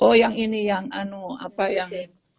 oh yang ini yang anu apa yang